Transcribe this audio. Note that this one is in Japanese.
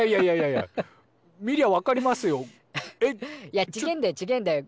いやちげえんだよちげえんだよ。